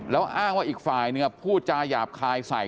แล้วอ้างว่าอีกฝ่ายหนึ่งพูดจาหยาบคายใส่